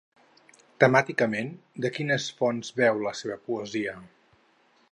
Temàticament, de quines fonts beu la seva poesia?